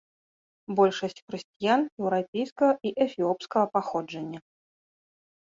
Большасць хрысціян еўрапейскага і эфіопскага паходжання.